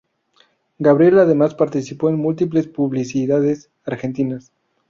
Gabriel además participó en múltiples publicidades argentinas.